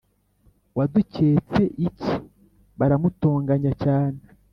Waduketse iki Baramutonganya cyane